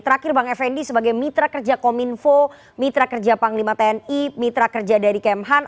terakhir bang effendi sebagai mitra kerja kominfo mitra kerja panglima tni mitra kerja dari kemhan